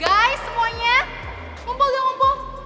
guys semuanya kumpul dong kumpul